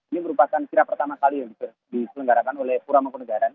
ini merupakan kirap pertama kali yang diselenggarakan oleh pura mangkunegaran